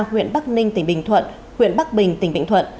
huyện bắc ninh tỉnh bình thuận huyện bắc bình tỉnh bình thuận